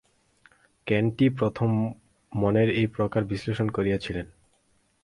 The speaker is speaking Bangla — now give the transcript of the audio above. ক্যাণ্ট-ই প্রথম মনের এই প্রকার বিশ্লেষণ করিয়াছিলেন।